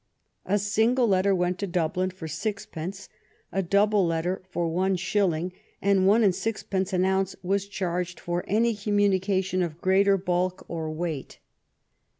A single letter went to Dublin for sixpence, a double letter for one shilling, and one and sixpence an ounce was charged for any communication of greater bulk or weight.